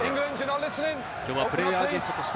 きょうはプレーヤーゲストとして